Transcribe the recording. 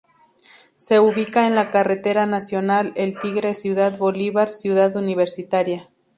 Se ubica en la Carretera Nacional El Tigre Ciudad Bolívar, Ciudad Universitaria.